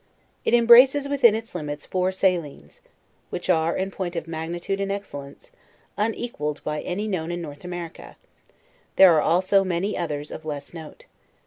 It embraces within its limits four salines, \A Inch are, in point cf magnitude and excellence, unequalled by any known in North America; there are also many others of less note.